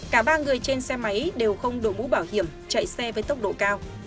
cả ba người trên xe máy đều không đội mũ bảo hiểm chạy xe với tốc độ cao